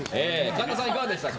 神田さん、いかがでしたか？